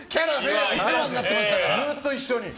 ずっと一緒に。